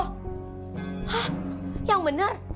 hah yang bener